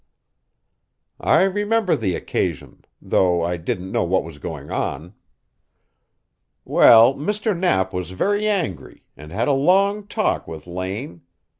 "I remember the occasion, though I didn't know what was going on." "Well, Mr. Knapp was very angry, and had a long talk with Lane.